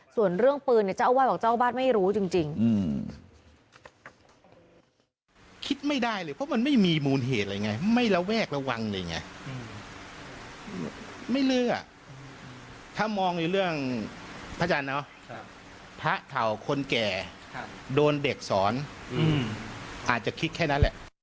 ส่วนเรื่องปืนเนี่ยเจ้าอาวาสบอกเจ้าบ้านไม่รู้จริง